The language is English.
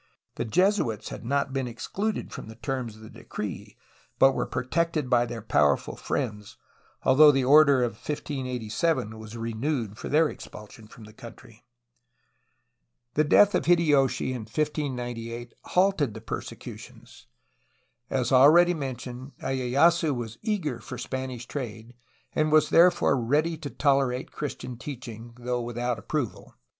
The Jesuits had not been excluded from the terms of the decree, but were protected by their powerful friends, al though the order of 1587 was renewed for their expulsion from the country. The death of Hideyoshi in 1598 halted the persecutions. As already mentioned lyeyasu was eager for Spanish trade, and was therefore ready to tolerate Christian teaching, though without approval.